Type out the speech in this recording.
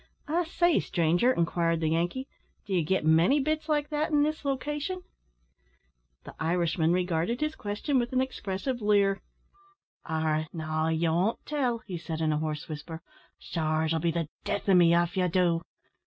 "I say, stranger," inquired the Yankee, "d'ye git many bits like that in this location?" The Irishman regarded his question with an expressive leer. "Arrah! now, ye won't tell?" he said, in a hoarse whisper; "sure it'll be the death o' me av ye do.